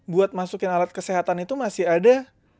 buat masukin alat kesehatan itu masih ada